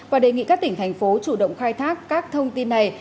và đề nghị các tỉnh thành phố chủ động khai thác các thông tin này